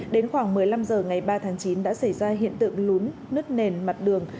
đến khoảng một mươi năm h ngày ba tháng chín đã xảy ra hiện tượng lún nứt nền mặt đường